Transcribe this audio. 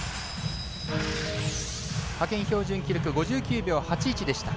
派遣標準記録５９秒８１でした。